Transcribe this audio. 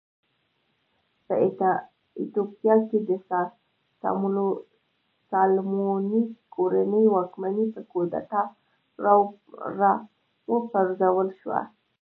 په ایتوپیا کې د سالومونیک کورنۍ واکمني په کودتا راوپرځول شوه.